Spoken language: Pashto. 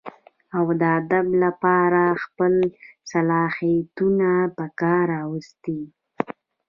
اوادب دپاره خپل صلاحيتونه پکار راوستي دي